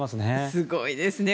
すごいですね。